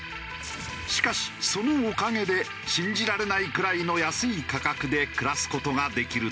しかしそのおかげで信じられないくらいの安い価格で暮らす事ができるという。